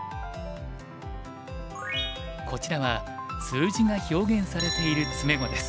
こちらは数字が表現されている詰碁です。